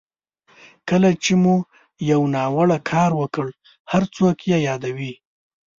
کله چې مو یو ناوړه کار وکړ هر څوک یې یادوي.